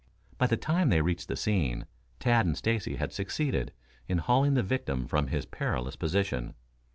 By the time they reached the scene Tad and Stacy had succeeded in hauling the victim from his perilous position.